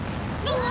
うわ。